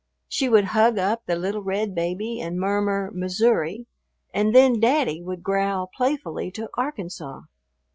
She would hug up the little red baby and murmur "Missouri," and then daddy would growl playfully to "Arkansas."